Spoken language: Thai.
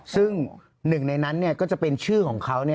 ซึ่งหนึ่งในนั้นก็จะเป็นชื่อของเขา